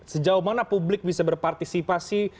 sejauh mana publik bisa berpartisipasi